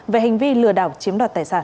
về hành vi lừa đảo chiếm đoạt tài sản